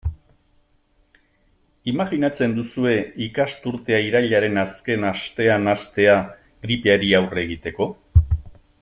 Imajinatzen duzue ikasturtea irailaren azken astean hastea gripeari aurre egiteko?